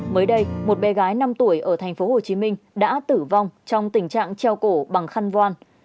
mới đây một bé gái năm tuổi ở thành phố hồ chí minh đã tử vong trong tình trạng treo cổ bằng khăn voan